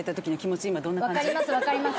分かります